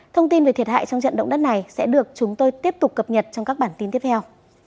thông tin về thiệt hại trong trận động đất này sẽ được chúng tôi tiếp tục cập nhật trong các bản tin tiếp theo